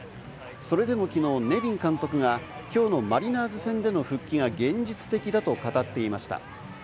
それでも、きのうネビン監督がきょうのマリナーズ戦での復帰が現実的だと語っていました。